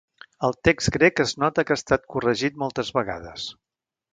El text grec es nota que ha estat corregit moltes vegades.